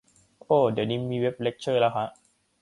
โอ้ เดี๋ยวนี้มีเว็บเลคเชอร์แล้วฮะ